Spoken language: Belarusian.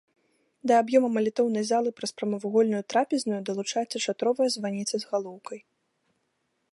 Да аб'ёма малітоўнай залы праз прамавугольную трапезную далучаецца шатровая званіца з галоўкай.